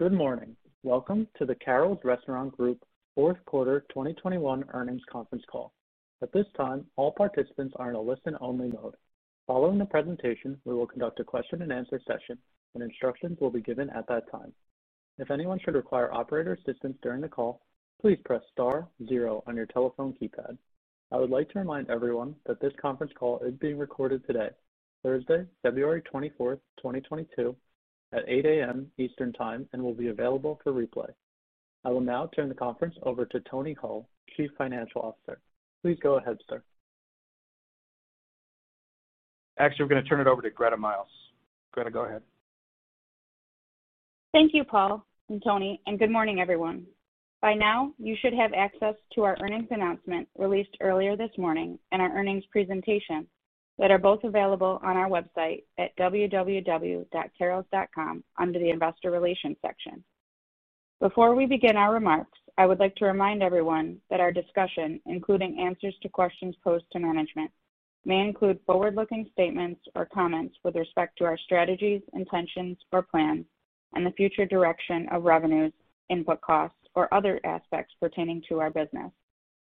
Good morning. Welcome to the Carrols Restaurant Group Fourth Quarter 2021 Earnings Conference Call. At this time, all participants are in a listen-only mode. Following the presentation, we will conduct a question-and-answer session, and instructions will be given at that time. If anyone should require operator assistance during the call, please press star zero on your telephone keypad. I would like to remind everyone that this conference call is being recorded today, Thursday, February 24th, 2022, at 8:00 A.M. Eastern Time and will be available for replay. I will now turn the conference over to Tony Hull, Chief Financial Officer. Please go ahead, sir. Actually, we're gonna turn it over to Gretta Miles. Gretta, go ahead. Thank you, Paul and Tony, and good morning, everyone. By now, you should have access to our earnings announcement released earlier this morning and our earnings presentation. That are both available on our website at www.carrols.com under the Investor Relations section. Before we begin our remarks, I would like to remind everyone that our discussion, including answers to questions posed to management. May include forward-looking statements or comments with respect to our strategies, intentions, or plans, and the future direction of revenues, input costs, or other aspects pertaining to our business.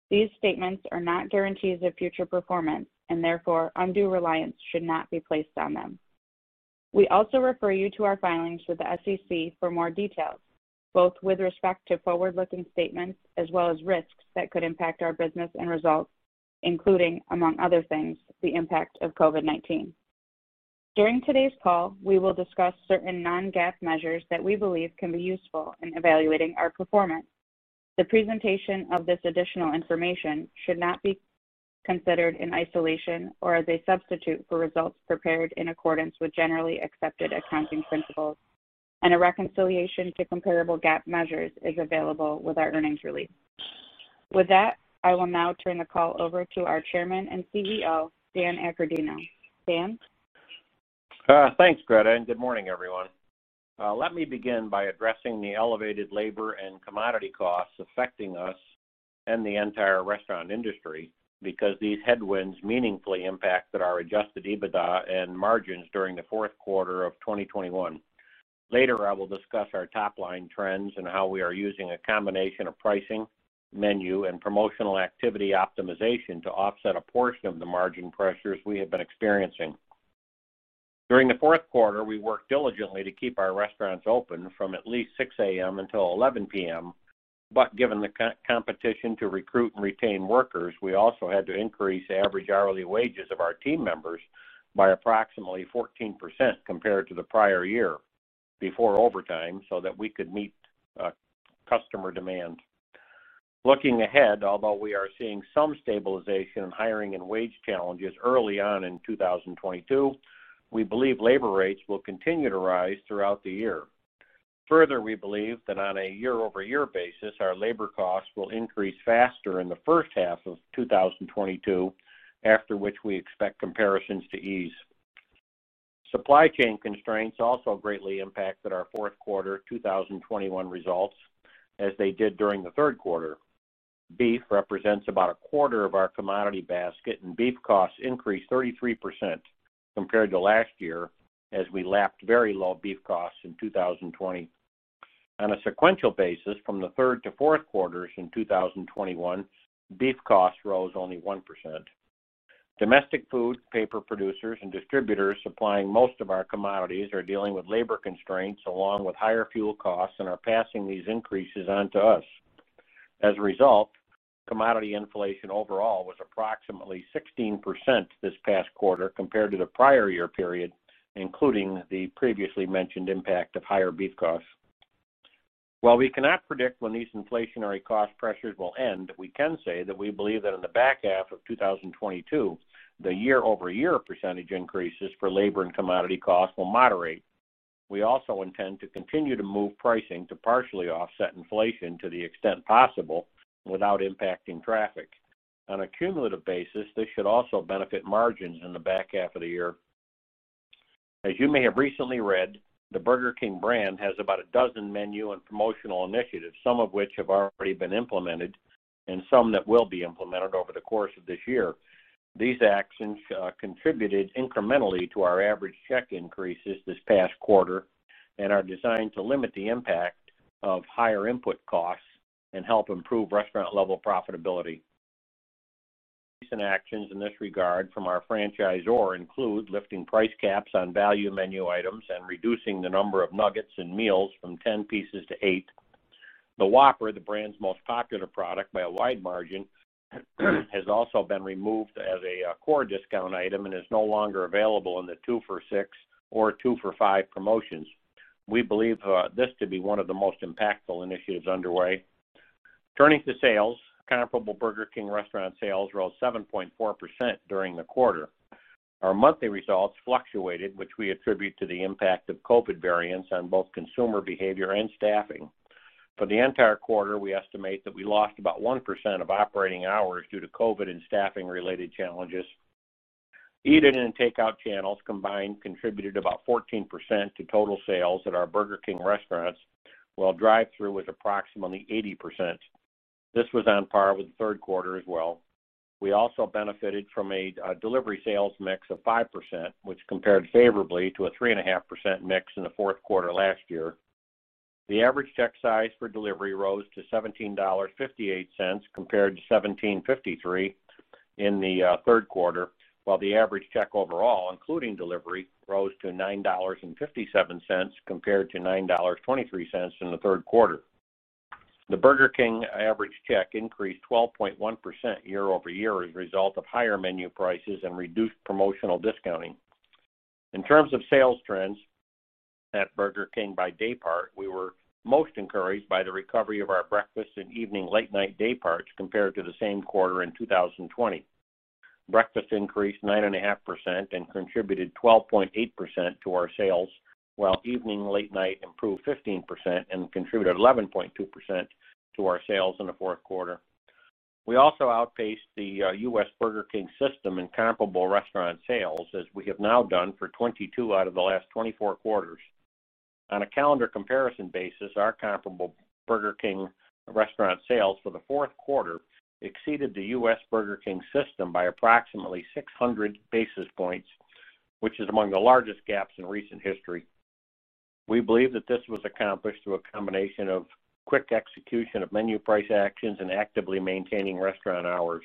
These statements are not guarantees of future performance, and therefore undue reliance should not be placed on them. We also refer you to our filings with the SEC for more details, both with respect to forward-looking statements. As well as risks that could impact our business and results, including, among other things, the impact of COVID-19. During today's call, we will discuss certain non-GAAP measures that we believe can be useful in evaluating our performance. The presentation of this additional information should not be considered in isolation. Or as a substitute for results prepared in accordance with generally accepted accounting principles, and a reconciliation to comparable GAAP measures is available with our earnings release. With that, I will now turn the call over to our Chairman and CEO, Dan Accordino. Dan? Thanks, Gretta, and good morning, everyone. Let me begin by addressing the elevated labor and commodity costs affecting us and the entire restaurant industry. Because these headwinds meaningfully impacted our adjusted EBITDA and margins during the fourth quarter of 2021. Later, I will discuss our top line trends and how we are using a combination of pricing, menu, and promotional activity optimization. To offset a portion of the margin pressures we have been experiencing. During the fourth quarter, we worked diligently to keep our restaurants open from at least 6:00 A.M. until 11:00 P.M., but given the competition to recruit and retain workers, we also had to increase average hourly wages of our team members. By approximately 14% compared to the prior year before overtime so that we could meet customer demand. Looking ahead, although we are seeing some stabilization in hiring and wage challenges early on in 2022. We believe labor rates will continue to rise throughout the year. Further, we believe that on a year-over-year basis, our labor costs will increase faster in the first half of 2022, after which we expect comparisons to ease. Supply chain constraints also greatly impacted our fourth quarter 2021 results, as they did during the third quarter. Beef represents about a quarter of our commodity basket, and beef costs increased 33% compared to last year as we lapped very low beef costs in 2020. On a sequential basis, from the third to fourth quarters in 2021, beef costs rose only 1%. Domestic food, paper producers, and distributors supplying most of our commodities are dealing with labor constraints. Along with higher fuel costs and are passing these increases on to us. As a result, commodity inflation overall was approximately 16% this past quarter compared to the prior year period. Including the previously mentioned impact of higher beef costs. While we cannot predict when these inflationary cost pressures will end, we can say that we believe that in the back half of 2022. The year-over-year percentage increases for labor and commodity costs will moderate. We also intend to continue to move pricing to partially offset inflation to the extent possible without impacting traffic. On a cumulative basis, this should also benefit margins in the back half of the year. As you may have recently read, the Burger King Brand has about a dozen menu and promotional initiatives. Some of which have already been implemented, and some that will be implemented over the course of this year. These actions contributed incrementally to our average check increases this past quarter. And are designed to limit the impact of higher input costs and help improve restaurant level profitability. Recent actions in this regard from our franchisor include lifting price caps on value menu items and reducing the number of nuggets and meals from 10 pieces to eight. The Whopper, the brand's most popular product by a wide margin, has also been removed as a core discount item and is no longer available in the two for $6 or two for $5 promotions. We believe this to be one of the most impactful initiatives underway. Turning to sales, comparable Burger King Restaurant sales rose 7.4% during the quarter. Our monthly results fluctuated, which we attribute to the impact of COVID variants on both consumer behavior and staffing. For the entire quarter, we estimate that we lost about 1% of operating hours due to COVID and staffing-related challenges. Eat-in and takeout channels combined contributed about 14% to total sales at our Burger King Restaurants, while drive-through was approximately 80%. This was on par with the third quarter as well. We also benefited from a delivery sales mix of 5%, which compared favorably to a 3.5% mix in the fourth quarter last year. The average check size for delivery rose to $17.58 compared to $17.53 in the third quarter. While the average check overall, including delivery, rose to $9.57 compared to $9.23 in the third quarter. The Burger King average check increased 12.1% year-over-year as a result of higher menu prices and reduced promotional discounting. In terms of sales trends at Burger King by day part, we were most encouraged by the recovery of our breakfast and evening late night day parts, compared to the same quarter in 2020. Breakfast increased 9.5% and contributed 12.8% to our sales, while evening late night improved 15%, and contributed 11.2% to our sales in the fourth quarter. We also outpaced the U.S. Burger King System in comparable restaurant sales as we have now done for 22 out of the last 24 quarters. On a calendar comparison basis, our comparable Burger King Restaurant sales for the fourth quarter. Exceeded the U.S. Burger King System by approximately 600 basis points, which is among the largest gaps in recent history. We believe that this was accomplished through a combination of quick execution of menu price actions and actively maintaining restaurant hours.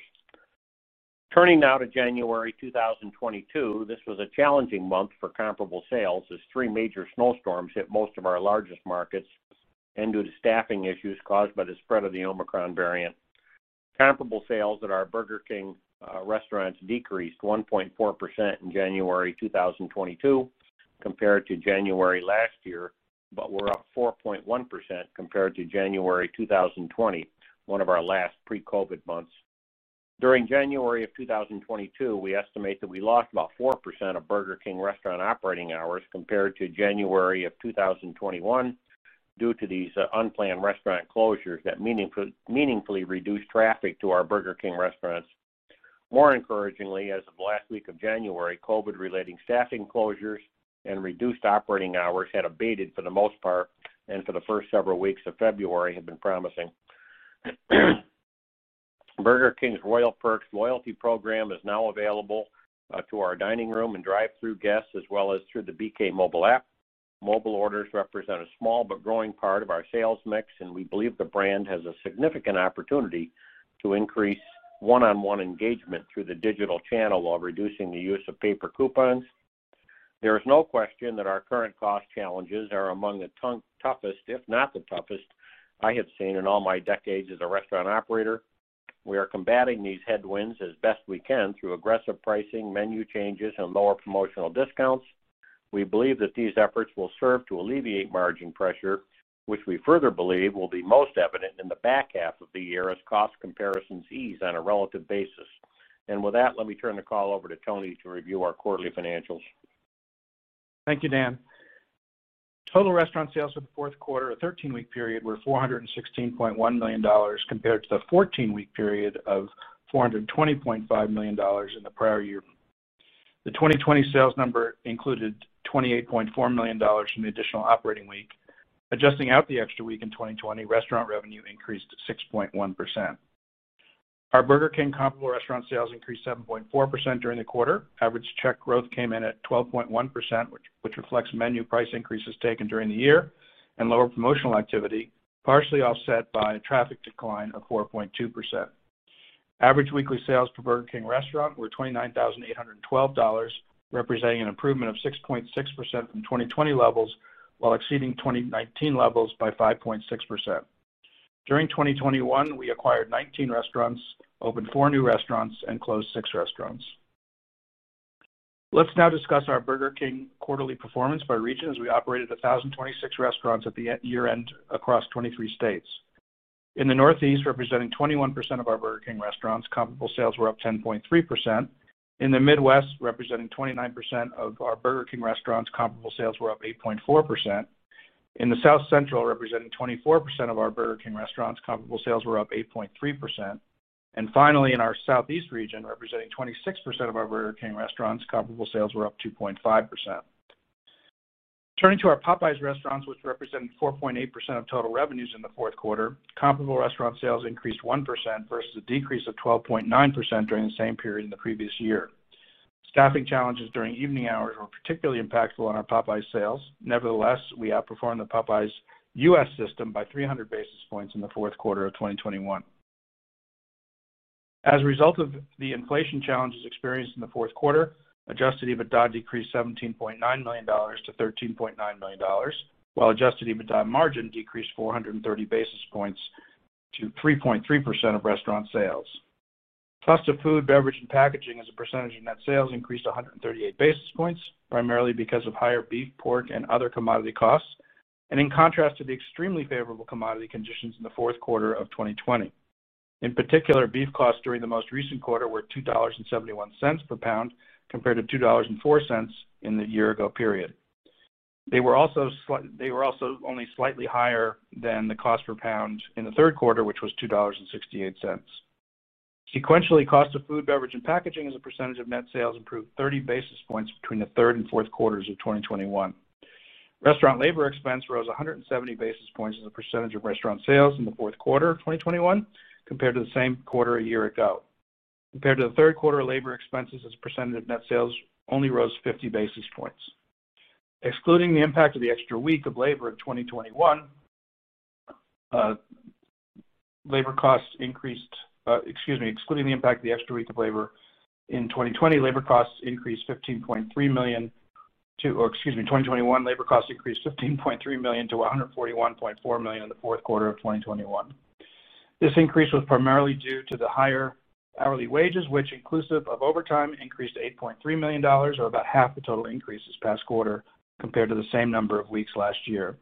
Turning now to January 2022, this was a challenging month for comparable sales as three major snowstorms hit most of our largest markets. And due to staffing issues caused by the spread of the Omicron variant. Comparable sales at our Burger King Restaurants decreased 1.4% in January 2022 compared to January last year. But were up 4.1% compared to January 2020, one of our last pre-COVID months. During January 2022, we estimate that we lost about 4% of Burger King Restaurant operating hours. Compared to January 2021 due to these unplanned restaurant closures that meaningfully reduced traffic to our Burger King Restaurants. More encouragingly, as of last week of January, COVID-related staffing closures and reduced operating hours had abated for the most part, and for the first several weeks of February had been promising. Burger King's Royal Perks loyalty program is now available to our dining room and drive-thru guests as well as through the BK Mobile App. Mobile orders represent a small but growing part of our sales mix, and we believe the brand has a significant opportunity. To increase one-on-one engagement through the digital channel while reducing the use of paper coupons. There is no question that our current cost challenges are among the toughest, if not the toughest. I have seen in all my decades as a restaurant operator. We are combating these headwinds as best we can through aggressive pricing, menu changes, and lower promotional discounts. We believe that these efforts will serve to alleviate margin pressure, which we further believe will be most evident in the back half of the year as cost comparisons ease on a relative basis. With that, let me turn the call over to Tony to review our quarterly financials. Thank you, Dan. Total restaurant sales for the fourth quarter, a 13-week period, were $416.1 million. Compared to the 14-week period of $420.5 million in the prior year. The 2020 sales number included $28.4 million from the additional operating week. Adjusting out the extra week in 2020, restaurant revenue increased 6.1%. Our Burger King comparable restaurant sales increased 7.4% during the quarter. Average check growth came in at 12.1%, which reflects menu price increases taken during the year and lower promotional activity, partially offset by a traffic decline of 4.2%. Average weekly sales per Burger King Restaurant were $29,812, representing an improvement of 6.6% from 2020 levels. While exceeding 2019 levels by 5.6%. During 2021, we acquired 19 restaurants, opened four new restaurants, and closed six restaurants. Let's now discuss our Burger King quarterly performance by region, as we operated 1,026 restaurants at year-end across 23 states. In the Northeast, representing 21% of our Burger King Restaurants, comparable sales were up 10.3%. In the Midwest, representing 29% of our Burger King Restaurants, comparable sales were up 8.4%. In the South Central, representing 24% of our Burger King Restaurants, comparable sales were up 8.3%. Finally, in our Southeast region, representing 26% of our Burger King Restaurants, comparable sales were up 2.5%. Turning to our Popeyes restaurants, which represented 4.8% of total revenues in the fourth quarter. Comparable restaurant sales increased 1% versus a decrease of 12.9% during the same period in the previous year. Staffing challenges during evening hours were particularly impactful on our Popeyes sales. Nevertheless, we outperformed the Popeyes U.S. system by 300 basis points in the fourth quarter of 2021. As a result of the inflation challenges experienced in the fourth quarter, adjusted EBITDA decreased $17.9 million-$13.9 million, while adjusted EBITDA margin decreased 430 basis points to 3.3% of restaurant sales. Cost of food, beverage, and packaging as a percentage of net sales increased 138 basis points. Primarily because of higher beef, pork, and other commodity costs, and in contrast to the extremely favorable commodity conditions in the fourth quarter of 2020. In particular, beef costs during the most recent quarter were $2.71/lb, compared to $2.04 in the year ago period. They were also only slightly higher than the cost per pound in the third quarter, which was $2.68. Sequentially, cost of food, beverage, and packaging as a percentage of net sales improved 30 basis points between the third and fourth quarters of 2021. Restaurant labor expense rose 170 basis points as a percentage of restaurant sales in the fourth quarter of 2021. Compared to the same quarter a year ago. Compared to the third quarter, labor expenses as a percentage of net sales only rose 50 basis points. Excluding the impact of the extra week of labor in 2020, labor costs increased $15.3 million-$141.4 million in the fourth quarter of 2021. This increase was primarily due to the higher hourly wages, which, inclusive of overtime. Increased $8.3 million or about half the total increase this past quarter compared to the same number of weeks last year.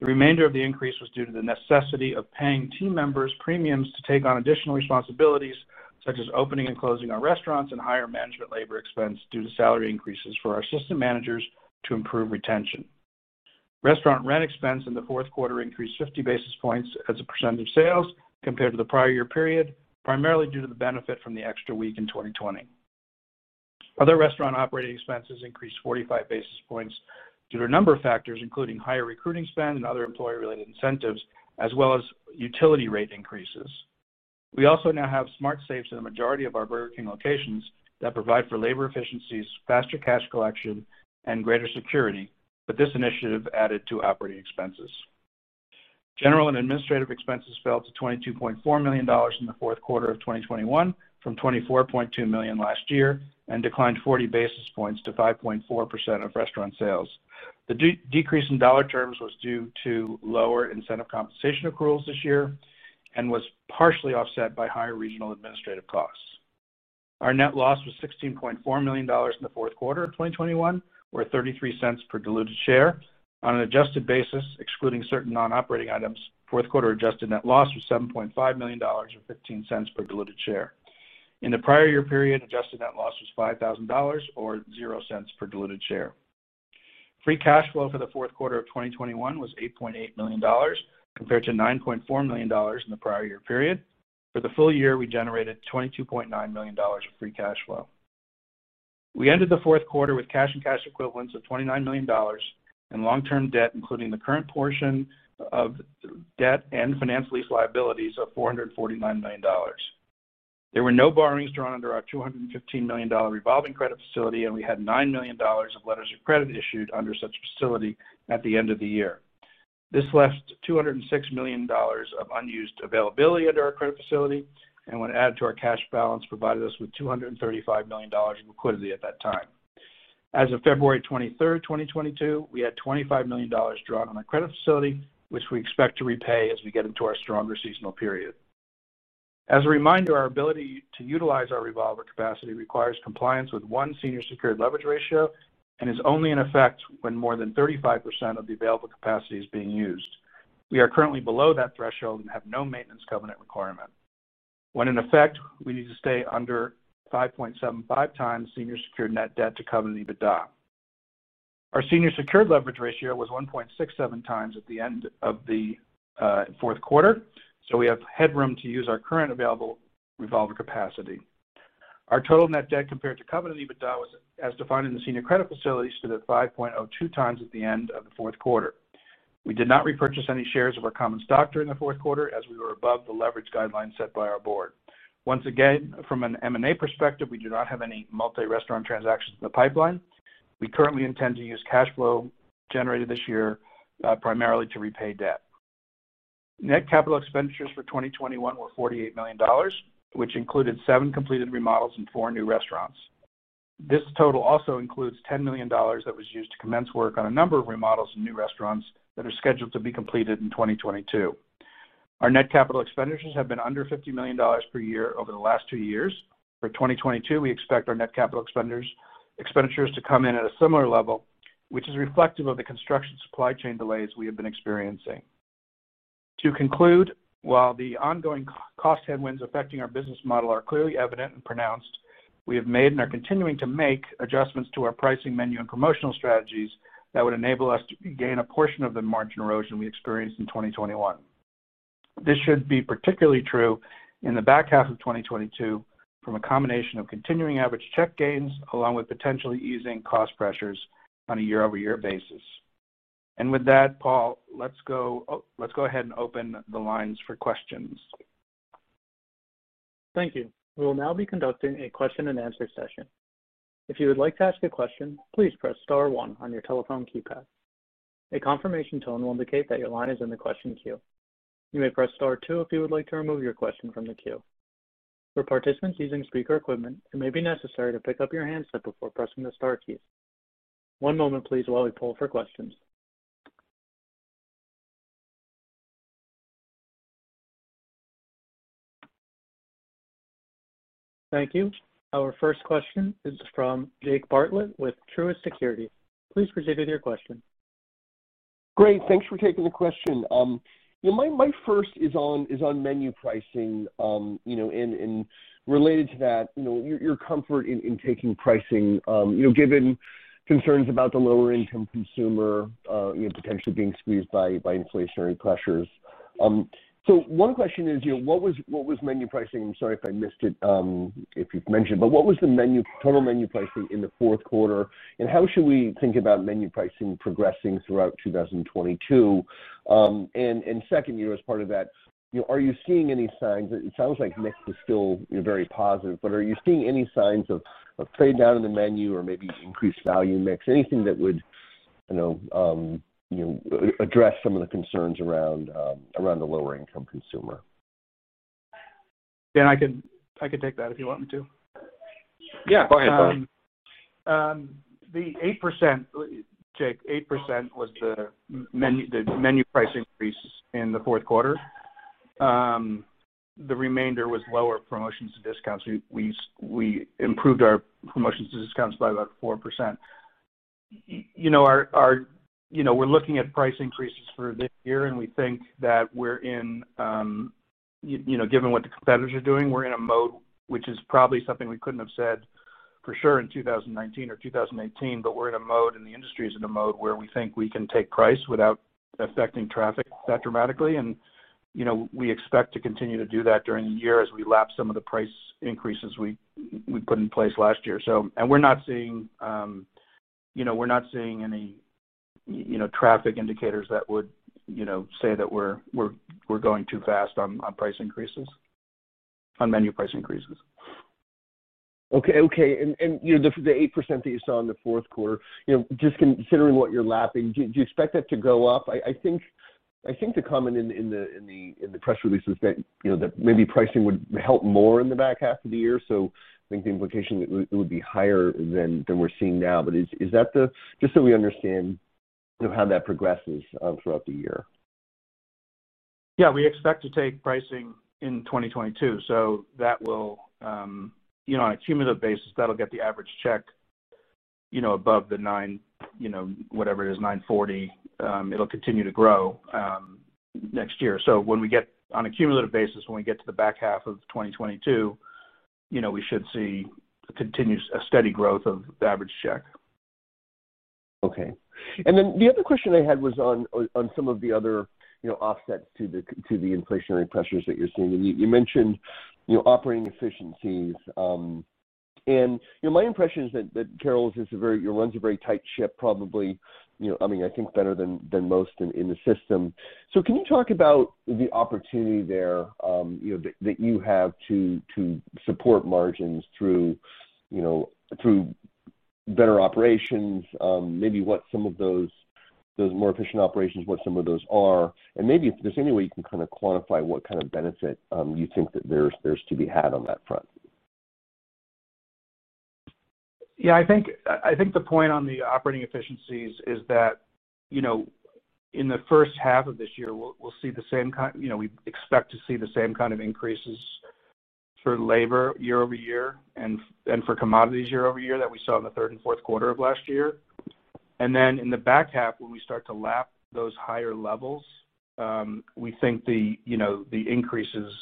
The remainder of the increase was due to the necessity of paying team members premiums to take on additional responsibilities. Such as opening and closing our restaurants, and higher management labor expense due to salary increases for our assistant managers to improve retention. Restaurant rent expense in the fourth quarter increased 50 basis points as a percentage of sales, compared to the prior year period. Primarily due to the benefit from the extra week in 2020. Other restaurant operating expenses increased 45 basis points due to a number of factors, including higher recruiting spend. And other employee related incentives, as well as utility rate increases. We also now have smart safes in the majority of our Burger King locations that provide for labor efficiencies, faster cash collection, and greater security. But this initiative added to operating expenses. General and administrative expenses fell to $22.4 million in the fourth quarter of 2021 from $24.2 million last year. And declined 40 basis points to 5.4% of restaurant sales. The decrease in dollar terms was due to lower incentive compensation accruals this year. And was partially offset by higher regional administrative costs. Our net loss was $16.4 million in the fourth quarter of 2021 or $0.33 per diluted share. On an adjusted basis, excluding certain non-operating items, fourth quarter adjusted net loss was $7.5 million or $0.15 per diluted share. In the prior year period, adjusted net loss was $5,000 or $0.00 per diluted share. Free Cash Flow for the fourth quarter of 2021, was $8.8 million compared to $9.4 million in the prior year period. For the full year, we generated $22.9 million of Free Cash Flow. We ended the fourth quarter with cash and cash equivalents of $29 million and long-term debt, including the current portion of debt and finance lease liabilities of $449 million. There were no borrowings drawn under our $215 million revolving credit facility. And we had $9 million of letters of credit issued under such facility at the end of the year. This left $206 million of unused availability under our credit facility. And when added to our cash balance, provided us with $235 million in liquidity at that time. As of February 23, 2022, we had $25 million drawn on our credit facility. Which we expect to repay as we get into our stronger seasonal period. As a reminder, our ability to utilize our revolver capacity requires compliance with one senior secured leverage ratio. And is only in effect when more than 35% of the available capacity is being used. We are currently below that threshold and have no maintenance covenant requirement. When in effect, we need to stay under 5.75x Senior Secured Net Debt to Covenant EBITDA. Our Senior secured leverage ratio was 1.67x at the end of the fourth quarter. So, we have headroom to use our current available revolver capacity. Our total Net Debt compared to Covenant EBITDA was, as defined in the Senior Credit Facility, 5.2x at the end of the fourth quarter. We did not repurchase any shares of our common stock during the fourth quarter as we were above the leverage guidelines set by our board. Once again, from an M&A perspective, we do not have any multi-restaurant transactions in the pipeline. We currently intend to use cash flow generated this year primarily to repay debt. Net Capital Expenditures for 2021 were $48 million, which included seven completed remodels and four new restaurants. This total also includes $10 million that was used to commence work on a number of remodels and new restaurants, that are scheduled to be completed in 2022. Our Net Capital Expenditures have been under $50 million per year over the last two years. For 2022, we expect our Net Capital Expenditures to come in at a similar level. Which is reflective of the construction supply chain delays we have been experiencing. To conclude, while the ongoing cost headwinds affecting our business model are clearly evident and pronounced. We have made and are continuing to make adjustments to our pricing, menu, and promotional strategies. That would enable us to gain a portion of the margin erosion we experienced in 2021. This should be particularly true in the back half of 2022. From a combination of continuing average check gains, along with potentially easing cost pressures on a year-over-year basis. With that, Paul, let's go ahead and open the lines for questions. Thank you. We will now be conducting a question-and-answer session. If you would like to ask a question, please press star one on your telephone keypad. A confirmation tone will indicate that your line is in the question queue. You may press star two if you would like to remove your question from the queue. For participants using speaker equipment, it may be necessary to pick up your handset before pressing the star keys. One moment please while we poll for questions. Thank you. Our first question is from Jake Bartlett with Truist Securities. Please proceed with your question. Great. Thanks for taking the question. My first is on menu pricing, you know, and related to that. You know, your comfort in taking pricing, you know, given concerns about the lower income consumer. You know, potentially being squeezed by inflationary pressures. One question is, you know, what was menu pricing? I'm sorry if I missed it, if you've mentioned, but what was the menu total menu pricing in the fourth quarter? How should we think about menu pricing progressing throughout 2022? Second, you know, as part of that, you know, are you seeing any signs. It sounds like mix is still, you know, very positive, but are you seeing any signs of trade down in the menu or maybe increased value mix? Anything that would, you know, you know, address some of the concerns around the lower income consumer. Dan, I could take that if you want me to. Yeah, go ahead, Tony. The 8%, Jake, 8% was the menu price increase in the fourth quarter. The remainder was lower promotions and discounts. We improved our promotions and discounts by about 4%. You know, our you know, we're looking at price increases for this year. And we think that we're in, you know, given what the competitors are doing. We're in a mode which is probably something we couldn't have said for sure in 2019 or 2018. But we're in a mode and the industry is in a mode where we think we can take price without affecting traffic that dramatically. You know, we expect to continue to do that during the year as we lap some of the price increases, we put in place last year. We're not seeing any, you know, traffic indicators. That would, you know, say that we're going too fast on menu price increases. Okay. You know, the 8% that you saw in the fourth quarter, you know, just considering what you're lapping. Do you expect that to go up? I think the comment in the press release was that. You know that maybe pricing would help more in the back half of the year. I think the implication it would be higher than we're seeing now. Just so we understand, you know, how that progresses throughout the year. Yeah, we expect to take pricing in 2022, so that will, you know, on a cumulative basis. That'll get the average check, you know, above the $9, you know, whatever it is, $9.40. It'll continue to grow, next year. On a cumulative basis, when we get to the back half of 2022. You know, we should see a continuous, steady growth of the average check. Okay. Then the other question I had was on some of the other, you know, offsets to the inflationary pressures that you're seeing. You mentioned, you know, operating efficiencies. My impression is that Carrols runs a very tight ship, probably, you know, I mean, I think better than most in the system. Can you talk about the opportunity there, you know, that you have to support margins through better operations? Maybe what some of those more efficient operations are. Maybe if there's any way you can kind of quantify what kind of benefit you think that there's to be had on that front. Yeah, I think the point on the operating efficiencies is that, you know, in the first half of this year. You know, we expect to see the same kind of increases for labor year-over-year, and for commodities year-over-year that we saw in the third and fourth quarter of last year. In the back half, when we start to lap those higher levels. We think the increases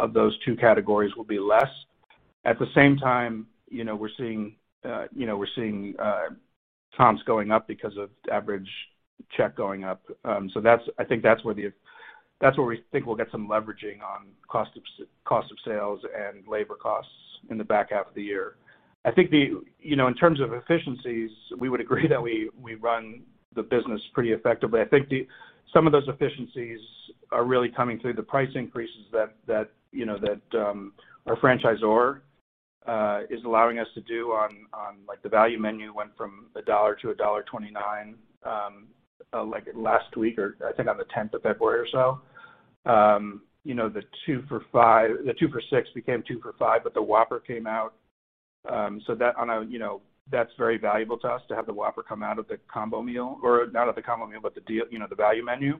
of those two categories will be less. At the same time, you know, we're seeing comps going up because of average check going up. So that's where I think that's where we think we'll get some leveraging on Cost of Sales and Labor Costs in the back half of the year. I think, you know, in terms of efficiencies, we would agree that we run the business pretty effectively. I think some of those efficiencies are really coming through the price increases. That, you know, our franchisor is allowing us to do on, like, the value menu went from $1-$1.29 like last week. Or I think on the 10th of February or so. You know, the two for $5, the two for $6 became two for $5, but the Whopper came out. That on a, you know, that's very valuable to us to have the Whopper come out of the combo meal. Or not of the combo meal, but the deal, you know, the value menu.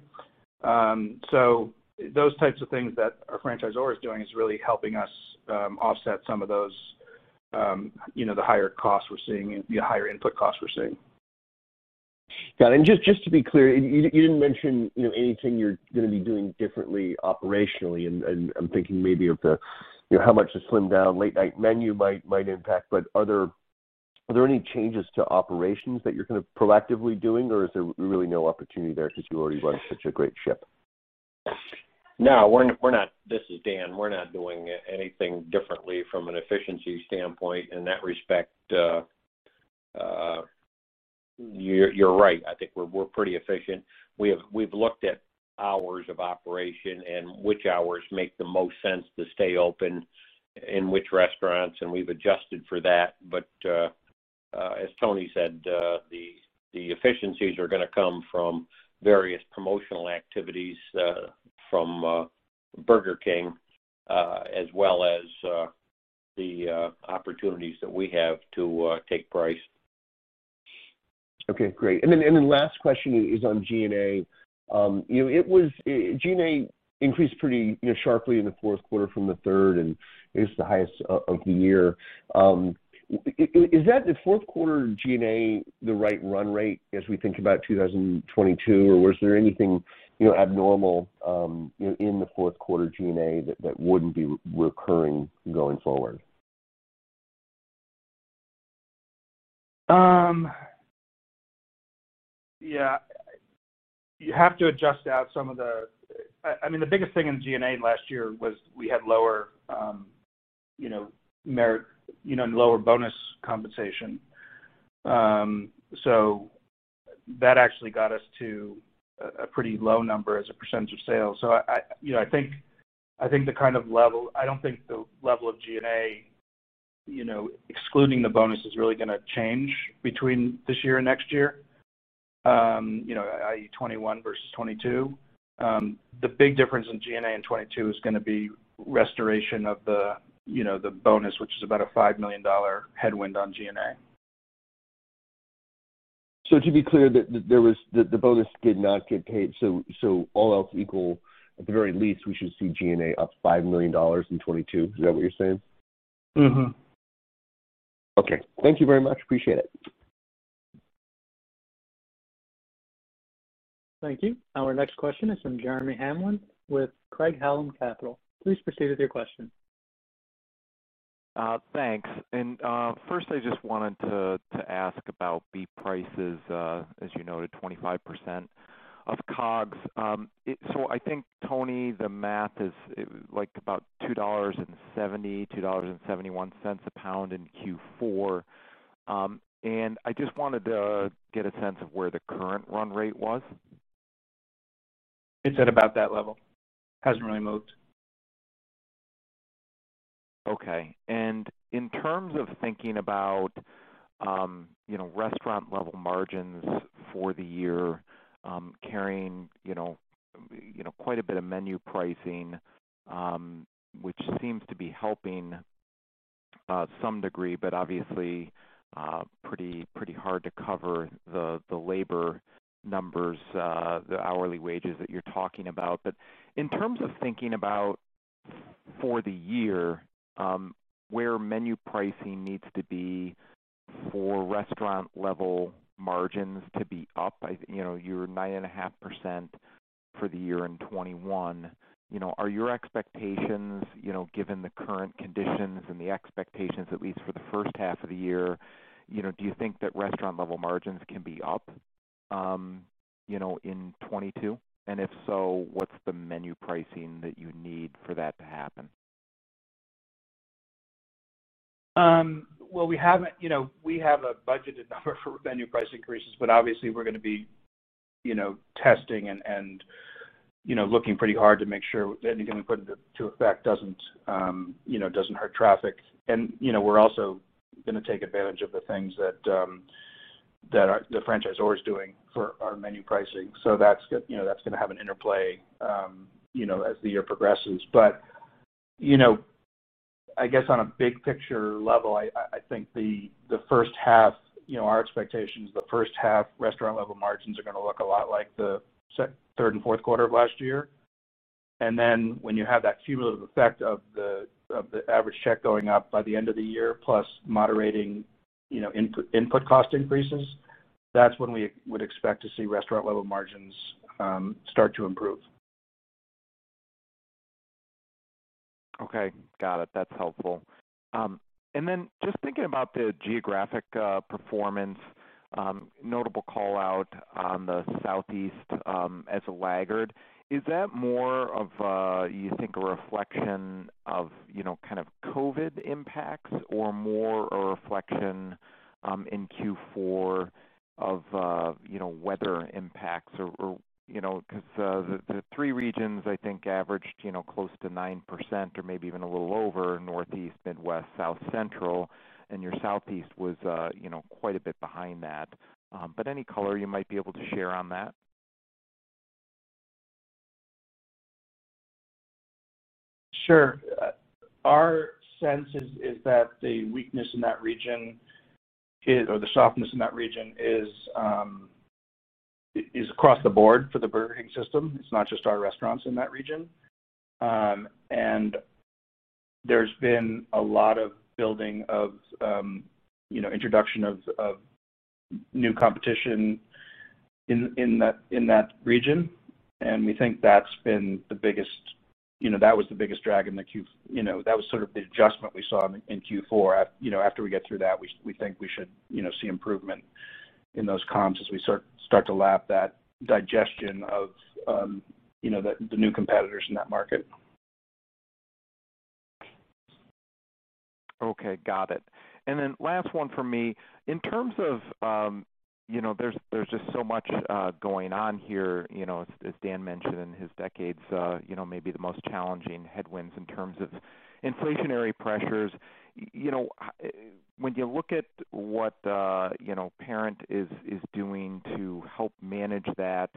Those types of things that our franchisor is doing is really helping us offset some of those. You know the higher costs we're seeing and the higher input costs we're seeing. Got it. Just to be clear, you didn't mention, you know, anything you're gonna be doing differently operationally. And I'm thinking maybe of the, you know, how much the slimmed down late-night menu might impact. Are there any changes to operations that your kind of proactively doing. Or is there really no opportunity there since you already run such a great ship? No, we're not. This is Dan. We're not doing anything differently from an efficiency standpoint in that respect. You're right. I think we're pretty efficient. We've looked at hours of operation, and which hours make the most sense to stay open in which restaurants. And we've adjusted for that as Tony said, the efficiencies are gonna come from various promotional activities from Burger King. As well as the opportunities that we have to take price. Okay, great. Last question is on G&A. You know, it was G&A increased pretty, you know, sharply in the fourth quarter from the third and is the highest of the year. Is that the fourth quarter G&A the right run rate as we think about 2022? Or was there anything, you know, abnormal, you know, in the fourth quarter G&A that wouldn't be recurring going forward? Yeah. You have to adjust out some of the. I mean, the biggest thing in G&A last year was we had lower merit and lower bonus compensation. So that actually got us to a pretty low number as a percentage of sales. So, I think the kind of level, I don't think the level of G&A. Excluding the bonus, is really gonna change between this year and next year, i.e., 2021 versus 2022. The big difference in G&A in 2022 is gonna be restoration of the bonus, which is about a $5 million headwind on G&A. To be clear, there was the bonus did not get paid, so all else equal, at the very least. We should see G&A up $5 million in 2022. Is that what you're saying? Mm-hmm. Okay. Thank you very much. Appreciate it. Thank you. Our next question is from Jeremy Hamblin with Craig-Hallum Capital. Please proceed with your question. Thanks. First, I just wanted to ask about beef prices, as you noted, 25% of COGS. I think, Tony, the math is it like about $2.71 a pound in Q4. I just wanted to get a sense of where the current run rate was. It's at about that level. Hasn't really moved. Okay. In terms of thinking about, you know, Restaurant-Level Margins for the year. Carrying, you know, quite a bit of menu pricing, which seems to be helping some degree. But obviously, pretty hard to cover the labor numbers, the hourly wages that you're talking about. In terms of thinking about for the year, where menu pricing needs to be for Restaurant-Level Margins to be up, you know, you're 9.5% for the year in 2021. You know, are your expectations, you know, given the current conditions. And the expectations, at least for the first half of the year, you know, do you think that Restaurant-Level Margins can be up. You know, in 2022? If so, what's the menu pricing that you need for that to happen? Well, we haven't, you know, we have a budgeted number for menu price increases. But obviously we're gonna be, you know, testing and, you know, looking pretty hard to make sure anything we put into effect doesn't, you know, doesn't hurt traffic. You know, we're also gonna take advantage of the things that the franchisor is doing for our menu pricing. That's gonna have an interplay, you know, as the year progresses. You know, I guess on a big picture level, I think the first half, you know, our expectations. The first half Restaurant-Level Margins are gonna look a lot like the third and fourth quarter of last year. Then when you have that cumulative effect of the average check going up by the end of the year. Plus, moderating, you know, input cost increases, that's when we would expect to see Restaurant-Level Margins start to improve. Okay. Got it. That's helpful. Just thinking about the geographic performance, notable call-out on the Southeast as a laggard. Is that more of a, you think, a reflection of, you know, kind of COVID impacts or more a reflection in Q4 of, you know, weather impacts or. You know, cause the three regions I think averaged, you know, close to 9% or maybe even a little over. Northeast, Midwest, South Central, and your Southeast was, you know, quite a bit behind that. Any color you might be able to share on that? Sure. Our sense is that the weakness in that region or the softness in that region is across the board for the Burger King System. It's not just our restaurants in that region. There's been a lot of building of you know introduction of new competition in that region. And we think that's been the biggest drag in Q4. You know, that was sort of the adjustment we saw in Q4. After we get through that, we think we should you know see improvement in those comps. As we start to lap that digestion of you know the new competitors in that market. Okay. Got it. Last one from me. In terms of, you know, there's just so much going on here. You know, as Dan mentioned in his decades, you know, maybe the most challenging headwinds in terms of inflationary pressures. You know, when you look at what, you know, parent is doing to help manage that.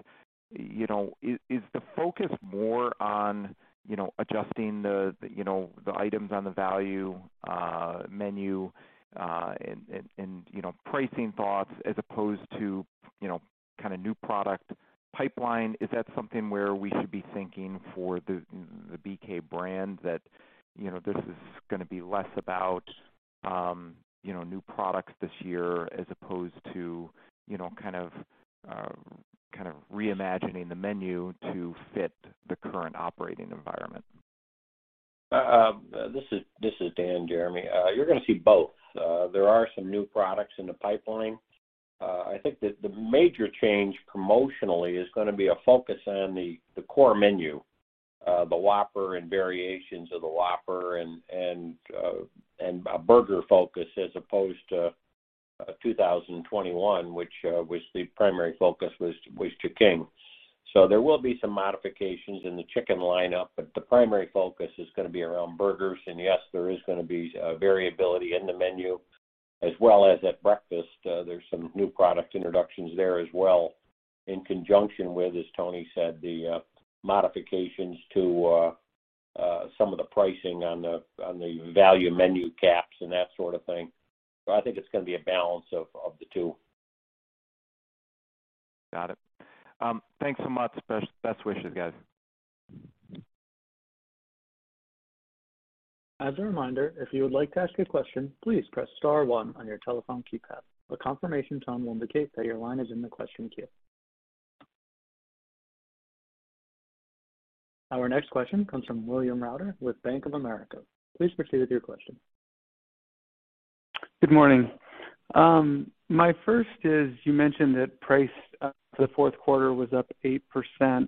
You know, is the focus more on, you know, adjusting the, you know, the items on the value menu. And you know, pricing thoughts as opposed to, you know, kind of new product pipeline? Is that something where we should be thinking for the BK Brand that, you know, this is gonna be less about. You know, new products this year as opposed to, you know, kind of reimagining the menu to fit the current operating environment? This is Dan, Jeremy. You're gonna see both. There are some new products in the pipeline. I think that the major change promotionally is gonna be a focus on the core menu. The Whopper & Variations of the Whopper and a burger focus as opposed to 2021. Which was the primary focus was chicken. There will be some modifications in the chicken lineup, but the primary focus is gonna be around burgers. Yes, there is gonna be variability in the menu as well as at breakfast. There's some new product introductions there as well. In conjunction with, as Tony said, the modifications to some of the pricing on the value menu caps and that sort of thing. I think it's gonna be a balance of the two. Got it. Thanks so much. Best wishes, guys. As a reminder, if you would like to ask a question, please press star one on your telephone keypad. A confirmation tone will indicate that your line is in the question queue. Our next question comes from William Reuter with Bank of America. Please proceed with your question. Good morning. My first is, you mentioned that pricing for the fourth quarter was up 8%.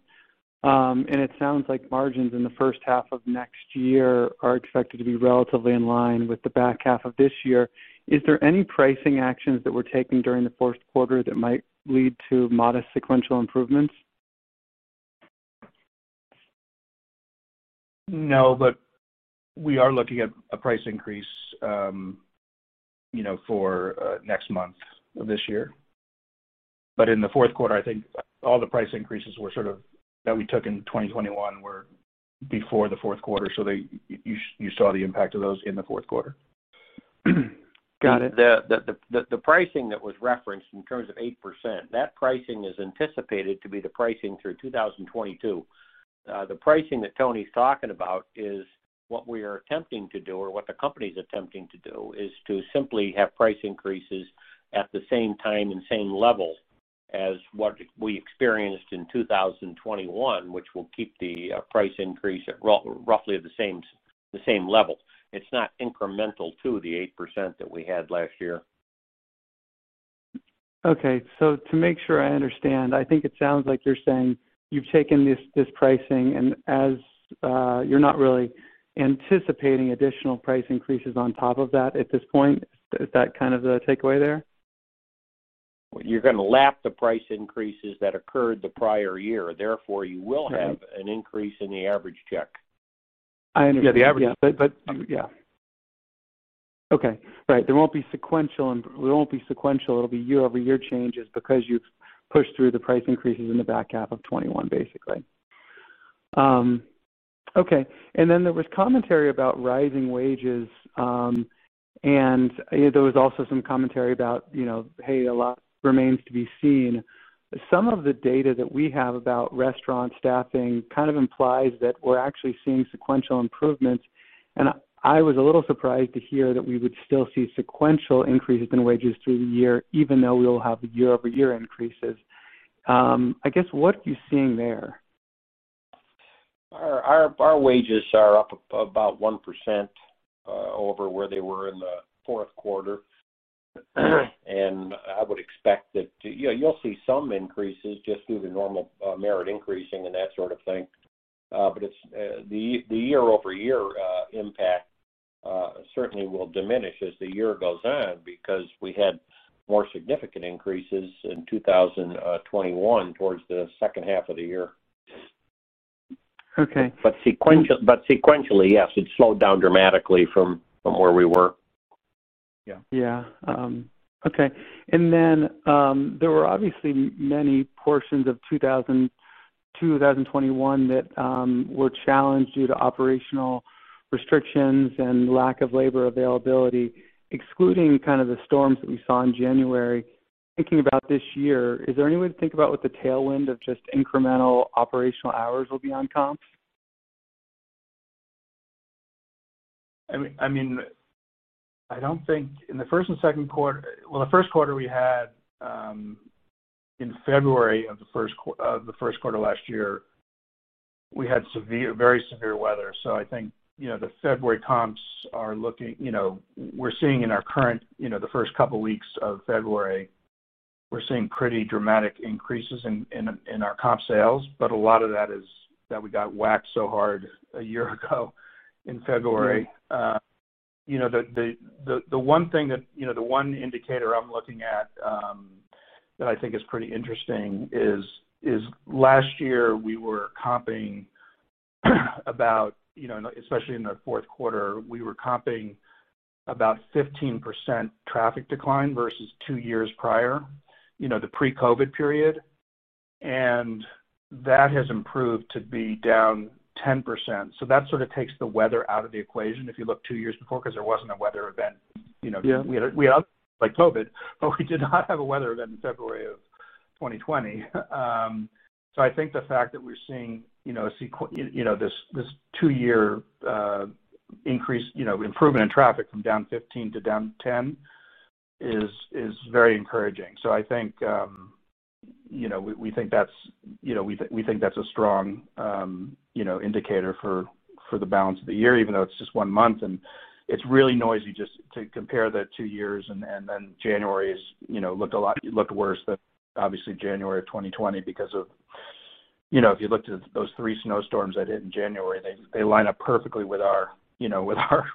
It sounds like margins in the first half of next year are expected to be relatively in line with the back half of this year. Is there any pricing actions that were taken during the fourth quarter. That might lead to modest sequential improvements? No, but we are looking at a price increase, you know, for next month of this year. In the fourth quarter, I think all the price increases that we took in 2021 were before the fourth quarter. So you saw the impact of those in the fourth quarter. Got it. The pricing that was referenced in terms of 8%, that pricing is anticipated to be the pricing through 2022. The pricing that Tony's talking about is what we are attempting to do or what the company's attempting to do. Is to simply have price increases at the same time and same level as what we experienced in 2021. Which will keep the price increase at roughly the same level. It's not incremental to the 8% that we had last year. Okay. To make sure I understand, I think it sounds like you're saying. You've taken this pricing and, as you're not really anticipating additional price increases on top of that at this point. Is that kind of the takeaway there? You're gonna lap the price increases that occurred the prior year. Therefore, you will have. Right. An increase in the average check. I understand. Yeah, the average. Yeah. Okay. Right. There won't be sequential, it'll be year-over-year changes. Because you've pushed through the price increases in the back half of 2021, basically. Then there was commentary about rising wages, and there was also some commentary about. You know, hey, a lot remains to be seen. Some of the data that we have about restaurant staffing kind of implies that we're actually seeing sequential improvements. I was a little surprised to hear that we would still see sequential increases in wages through the year. Even though we'll have year-over-year increases. I guess, what are you seeing there? Our wages are up about 1% over where they were in the fourth quarter. I would expect that, you know, you'll see some increases just through the normal merit increases and that sort of thing. It's the year-over-year impact certainly will diminish as the year goes. On because we had more significant increases in 2021 towards the second half of the year. Okay. Sequentially, yes, it slowed down dramatically from where we were. Yeah. Okay. There were obviously many portions of 2000-2021, that were challenged due to operational restrictions and lack of labor availability. Excluding kind of the storms that we saw in January, thinking about this year. Is there any way to think about what the tailwind of just incremental operational hours will be on comps? I mean, I don't think in the first and second quarter. Well, the first quarter we had in February of the first quarter last year. We had very severe weather. So, I think, you know, the February comps are looking, you know, we're seeing in our current, you know, the first couple weeks of February. We're seeing pretty dramatic increases in our comp sales, but a lot of that is that we got whacked so hard a year ago in February. You know, the one thing that, you know, the one indicator I'm looking at. That I think is pretty interesting is last year we were comping about, you know, especially in the fourth quarter. We were comping about 15% traffic decline versus two years prior, you know, the pre-COVID period. That has improved to be down 10%. That sort of takes the weather out of the equation. If you look two years before because there wasn't a weather event. You know. Yeah. We had like COVID, but we did not have a weather event in February of 2020. I think the fact that we're seeing you know, this two-year increase you know improvement in traffic from down 15%-down 10% is very encouraging. I think you know we, we think that's you know we think that's a strong you know indicator for the balance of the year. Even though it's just one month, and it's really noisy just to compare the two years. And then January looked worse than obviously January of 2020 because of you know if you looked at those three snowstorms that hit in January. They line up perfectly with our you know with our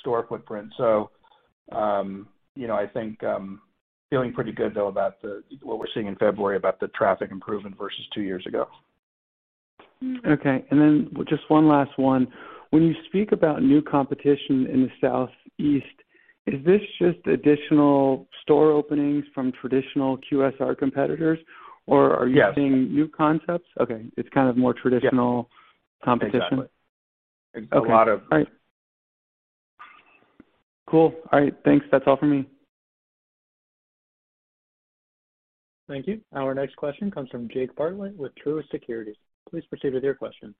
store footprint. You know, I think I'm feeling pretty good though about what we're seeing in February about the traffic improvement versus two years ago. Okay. Just one last one. When you speak about new competition in the Southeast. Is this just additional store openings from Traditional QSR Competitors, or are you? Yes. Seeing new concepts? Okay. It's kind of more Traditional. Yes. Competition? Exactly. Okay. A lot of. All right. Cool. All right. Thanks. That's all for me. Thank you. Our next question comes from Jake Bartlett with Truist Securities. Please proceed with your question.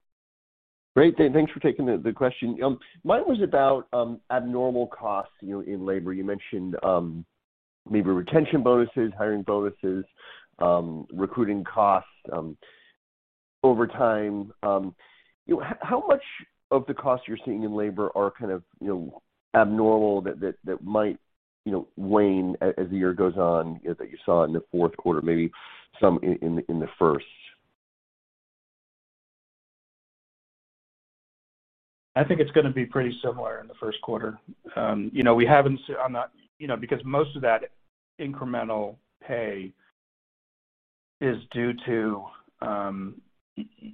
Great. Thanks for taking the question. Mine was about abnormal costs, you know, in labor. You mentioned labor retention bonuses, hiring bonuses, recruiting costs, overtime. You know, how much of the costs you're seeing in labor are kind of. You know, abnormal that might, you know, wane as the year goes on that you saw in the fourth quarter, maybe some in the first? I think it's gonna be pretty similar in the first quarter. You know, because most of that incremental pay is due to.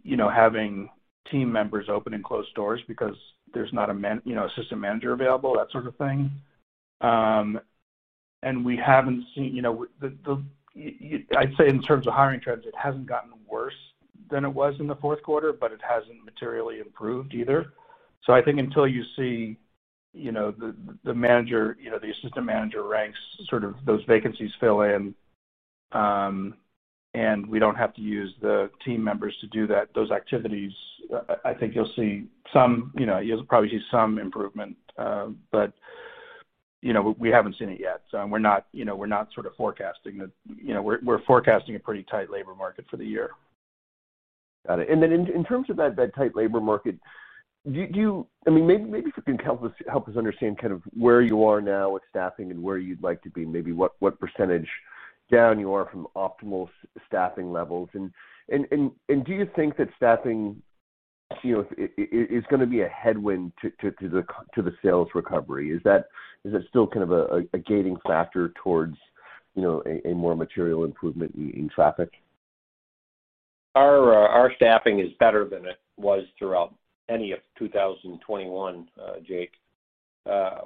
You know, having team members open and close doors because there's not a. You know, Assistant Manager available, that sort of thing. We haven't seen, you know, I'd say in terms of hiring trends. It hasn't gotten worse than it was in the fourth quarter, but it hasn't materially improved either. I think until you see, you know, the manager, you know, the Assistant Manager Ranks. Sort of those vacancies fill in, and we don't have to use the team members to do that, those activities. I think you'll see some, you know, you'll probably see some improvement. You know, we haven't seen it yet. We're not, you know, sort of forecasting a pretty tight labor market for the year. Got it. In terms of that tight labor market, I mean, maybe if you can help us understand kind of where you are now with staffing. And where you'd like to be, maybe what percentage down you are from optimal staffing levels. Do you think that staffing, you know, is gonna be a headwind to the sales recovery? Is that still kind of a gating factor towards, you know, a more material improvement in traffic? Our staffing is better than it was throughout 2021, Jake.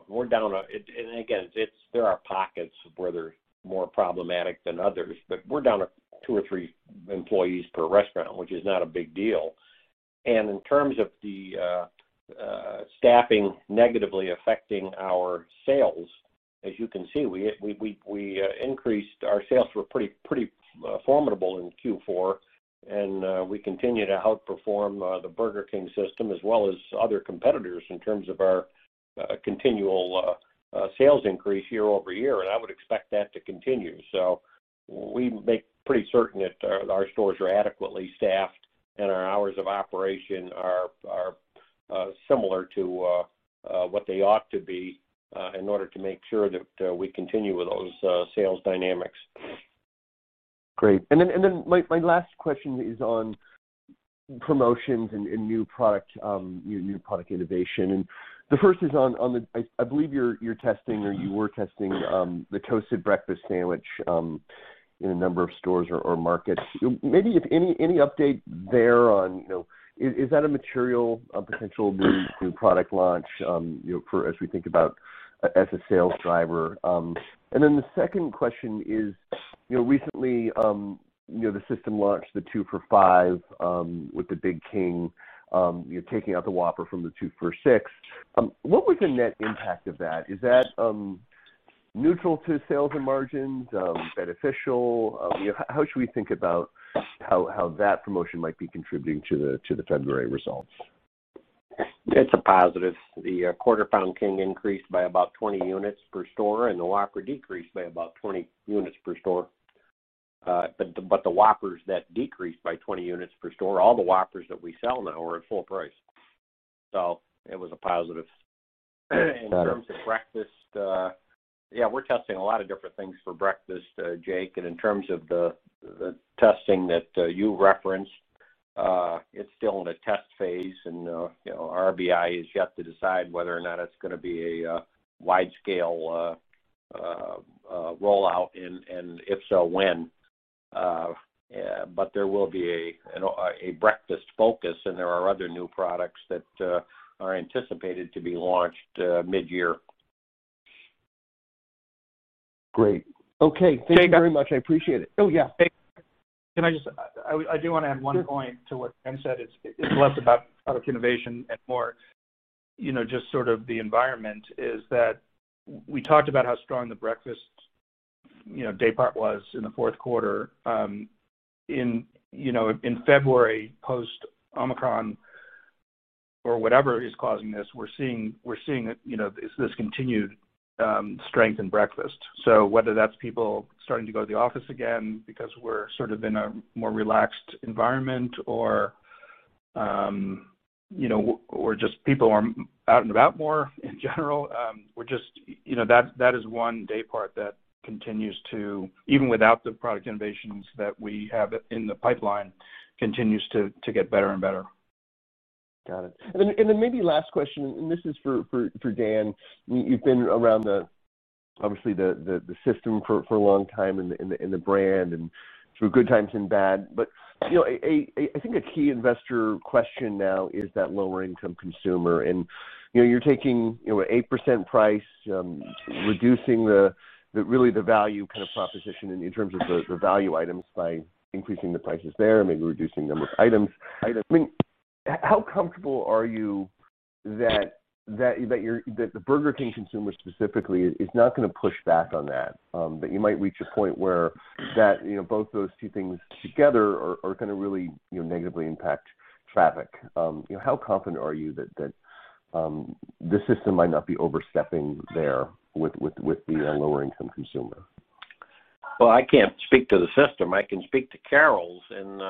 We're down, and again, it's there are pockets where they're more problematic than others. But we're down to two or three employees per restaurant, which is not a big deal. In terms of the staffing negatively affecting our sales, as you can see, we increased. Our sales were pretty formidable in Q4, and we continue to outperform the Burger King System. As well as other competitors in terms of our continual sales increase year-over-year. I would expect that to continue. We make pretty certain that our stores are adequately staffed and our hours of operation are similar to what they ought to be. In order to make sure that we continue with those sales dynamics. Great. My last question is on promotions and new product innovation. The first is on the I believe you're testing, or you were testing the toasted breakfast sandwich in a number of stores or markets. Maybe if any update there on, you know, is that a material potential new product launch, you know, for as we think about as a sales driver? The second question is, you know, recently, you know, the system launched the two for $5 with the Big King, you know, taking out the Whopper from the two for $6. What was the net impact of that? Is that neutral to sales and margins, beneficial? You know, how should we think about how that promotion might be contributing to the February results? It's a positive. The Quarter Pound King increased by about 20 units per store, and the Whopper decreased by about 20 units per store. The Whoppers that decreased by 20 units per store, all the Whoppers that we sell now are at full price. It was a positive. Got it. In terms of breakfast, we're testing a lot of different things for breakfast, Jake. In terms of the testing that you referenced, it's still in a test phase and. You know, RBI has yet to decide whether or not it's gonna be a wide scale rollout and if so, when. There will be a breakfast focus, and there are other new products that are anticipated to be launched mid-year. Great. Okay. Jake. Thank you very much. I appreciate it. Oh, yeah. Can I just I do wanna add one point to what Dan said. It's less about product innovation and more, you know, just sort of the environment is. That we talked about how strong the breakfast, you know, Daypart was in the fourth quarter. In, you know, in February, post Omicron or whatever is causing this. We're seeing, you know, this continued strength in breakfast. Whether that's people starting to go to the office again because we're sort of in a more relaxed environment or. You know, or just people are out and about more in general, we're just. You know, that is one Daypart that continues to get better and better, even without the product innovations that we have in the pipeline. Got it. Maybe last question, and this is for Dan. You've been around obviously the system for a long time and the brand and through good times and bad. You know, I think a key investor question now is that lower income consumer. And you know, you're taking you know, 8% price, reducing the really the value kind of proposition. In terms of the value items by increasing the prices there and maybe reducing the number of items. I mean, how comfortable are you that the Burger King consumer specifically is not gonna push back on that? That you might reach a point where that you know, both those two things together. Are gonna really you know, negatively impact traffic. You know, how confident are you that the system might not be overstepping there with the lower income consumer? Well, I can't speak to the system. I can speak to Carrols, and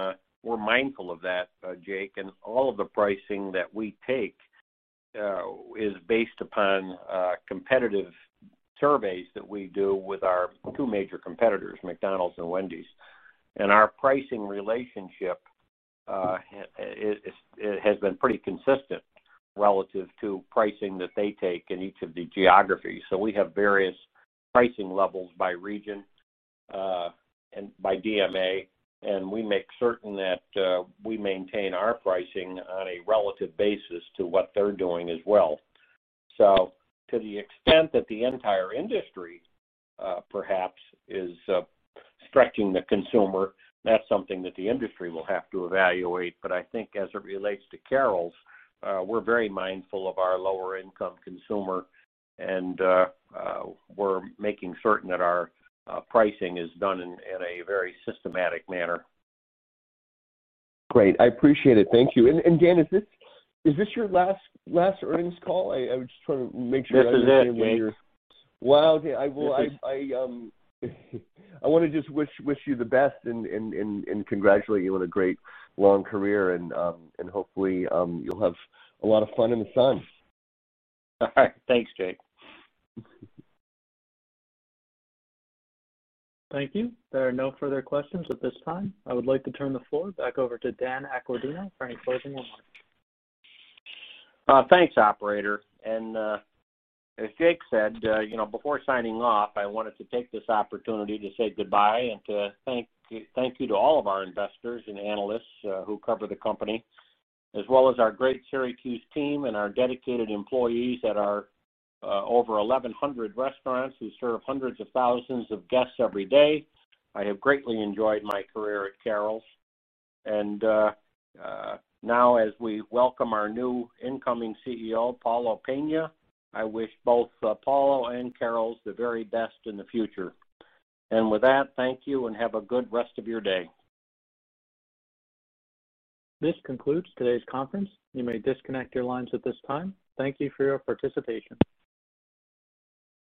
we're mindful of that, Jake, and all of the pricing that we take. Is based upon Competitive Surveys that we do with our two major competitors, McDonald's and Wendy's. Our pricing relationship has been pretty consistent relative to pricing that they take in each of the geographies. We have various pricing levels by region and by DMA. And we make certain that we maintain our pricing, on a relative basis to what they're doing as well. To the extent that the entire industry perhaps is stretching the consumer, that's something that the industry will have to evaluate. I think as it relates to Carrols, we're very mindful of our lower income consumer. And we're making certain that our pricing is done in a very systematic manner. Great. I appreciate it. Thank you. Dan, is this your last earnings call? I was just trying to make sure. This is it, Jake. Wow, Dan. This is. I wanna just wish you the best and congratulate you on a great long career and hopefully you'll have a lot of fun in the sun. All right. Thanks, Jake. Thank you. There are no further questions at this time. I would like to turn the floor back over to Dan Accordino for any closing remarks. Thanks, operator. As Jake said, you know, before signing off, I wanted to take this opportunity to say goodbye. And to thank you to all of our Investors and Analysts who cover the company. As well as our great Syracuse Team and our dedicated employees at our over 1,100 restaurants who serve hundreds of thousands of guests every day. I have greatly enjoyed my career at Carrols. Now as we welcome our new incoming CEO, Paulo Pena. I wish both Paulo and Carrols the very best in the future. With that, thank you and have a good rest of your day. This concludes today's conference. You may disconnect your lines at this time. Thank you for your participation.